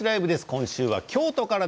今週は京都から。